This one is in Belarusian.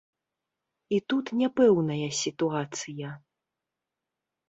І тут няпэўная сітуацыя.